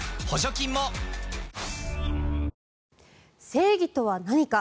正義とは何か？